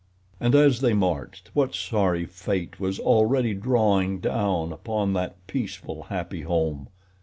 And as they marched what sorry fate was already drawing down upon that peaceful, happy home!